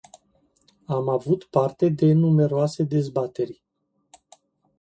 Am avut parte de numeroase dezbateri.